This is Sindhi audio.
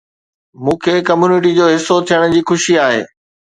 مون کي ڪميونٽي جو حصو ٿيڻ جي خوشي آهي